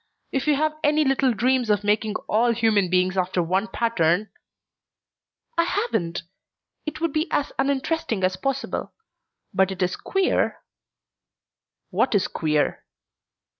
If you have any little dreams of making all human beings after one pattern " "I haven't. It would be as uninteresting as impossible. But it is queer " "What is queer?"